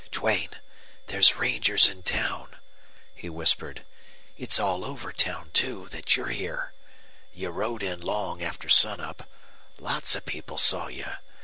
"Duane, there's rangers in town," he whispered. "It's all over town, too, that you're here. You rode in long after sunup. Lots of people saw you.